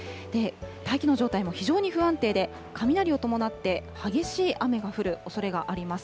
大気の状態も非常に不安定で、雷を伴って激しい雨が降るおそれがあります。